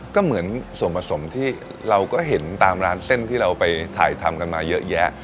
ก็เหมือนส่วนผสมที่เราก็เห็นตามร้านเส้นที่เราไปถ่ายทำกันมาเยอะแยะ